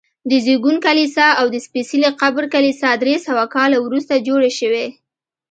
د زېږون کلیسا او د سپېڅلي قبر کلیسا درې سوه کاله وروسته جوړې شوي.